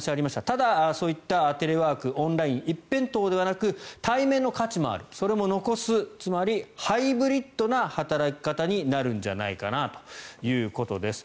ただ、そういったテレワークオンライン一辺倒ではなく対面の価値は残すつまりハイブリッドな働き方になるんじゃないかなということです。